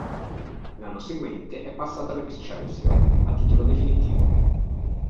L'anno seguente è passato all'Excelsior, a titolo definitivo.